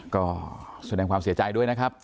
ก็แสดงความเสียใจด้วยนะครับ